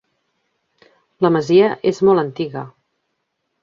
La masia és molt antiga.